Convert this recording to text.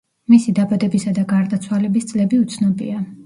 მისი დაბადებისა და გარდაცვალების წლები უცნობია.